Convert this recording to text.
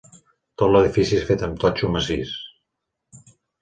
Tot l'edifici és fet amb totxo massís.